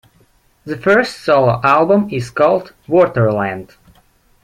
The first solo album is called "Waterland".